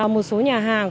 một số nhà hàng